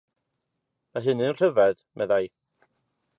“Mae hyn yn rhyfedd!” meddai.